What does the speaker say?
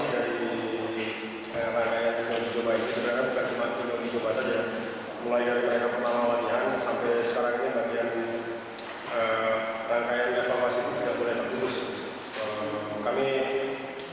karena ada beberapa pemain juga yang sampai saat ini masih sakit